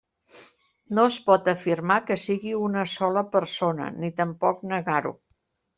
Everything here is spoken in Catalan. No es pot afirmar que sigui una sola persona, ni tampoc negar-ho.